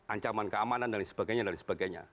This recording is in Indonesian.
ancaman keamanan dan lain sebagainya